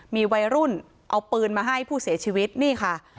มีวัยรุ่นเอาปืนมาให้ผู้เสียชีวิตนี่ค่ะ